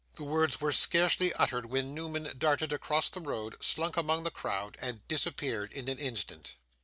The words were scarcely uttered when Newman darted across the road, slunk among the crowd, and disappeared in an instant.